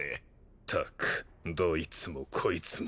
ったくどいつもこいつも。